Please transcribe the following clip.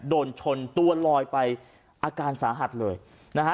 โดนชนตัวลอยไปอาการสาหัสเลยนะฮะ